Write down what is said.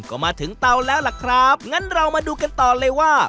ก็มาถึงเตาแล้วล่ะครับงั้นเรามาดูกันต่อเลยว่า